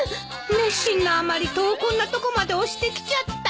熱心なあまり戸をこんなとこまで押してきちゃった。